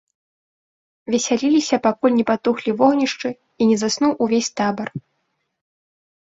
Весяліліся, пакуль не патухлі вогнішчы і не заснуў увесь табар.